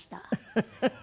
フフフフ。